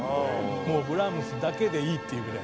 もうブラームスだけでいいっていうぐらい。